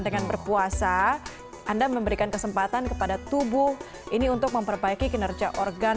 dengan berpuasa anda memberikan kesempatan kepada tubuh ini untuk memperbaiki kinerja organ